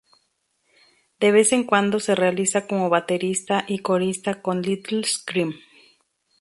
De vez en cuando se realiza como baterista y corista con Little Scream.